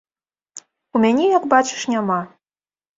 У мяне, як бачыш, няма.